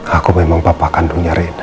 aku memang bapak kandungnya reda